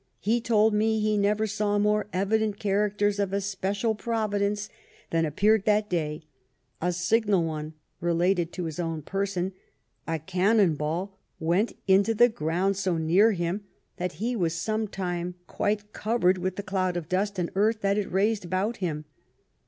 He told me he never saw more evident characters of a special providence than ap peared that day ; a signal one related to his own person ; a cannon ball went into the ground so near him, that he was sometime quite covered with the cloud of dust and earth that it raised about him."